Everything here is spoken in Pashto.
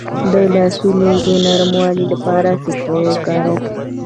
د لاسونو د نرموالي لپاره څه شی وکاروم؟